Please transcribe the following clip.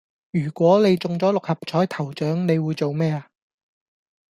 如果你中咗六合彩頭獎你會做咩呀